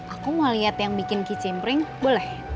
aku mau lihat yang bikin kicimpring boleh